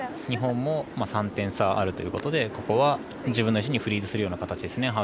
日本も３点差あるということでここは自分の石にフリーズするような形ですね。